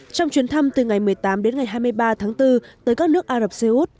trong chuyến thăm từ ngày một mươi tám đến ngày hai mươi ba tháng bốn tới các nước ả rập xê út